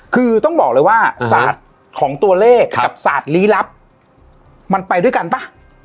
คือต้องบอกเลยว่าศาสตร์ของตัวเลขกับศาสตร์ลี้ลับมันไปด้วยกันป่ะ